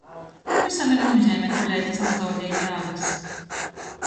Vysam ir nūzeime, koleidz tys nazaudej jāgys!